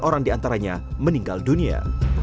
sembilan orang di antaranya meninggal dunia